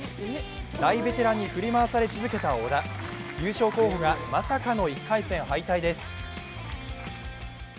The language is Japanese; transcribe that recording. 大ベテランに振り回され続けた小田、優勝候補がまさかの１回戦敗退です。